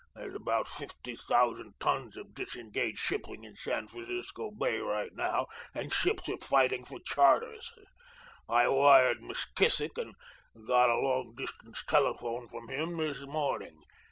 There's about fifty thousand tons of disengaged shipping in San Francisco Bay right now, and ships are fighting for charters. I wired McKissick and got a long distance telephone from him this morning.